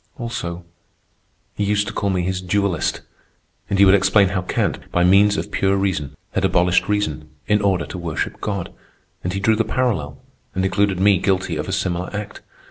Also, he used to call me his dualist, and he would explain how Kant, by means of pure reason, had abolished reason, in order to worship God. And he drew the parallel and included me guilty of a similar act.